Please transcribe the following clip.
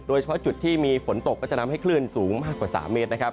โดยเฉพาะจุดที่มีฝนตกก็จะทำให้คลื่นสูงมากกว่า๓เมตรนะครับ